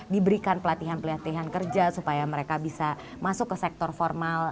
diberikan pelatihan pelatihan kerja supaya mereka bisa masuk ke sektor formal